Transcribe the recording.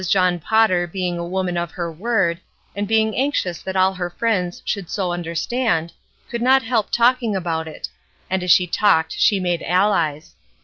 John Potter being a woman of her word, and being anxious that all her friends should so under stand, could not help talking about it; and as she talked she made allies.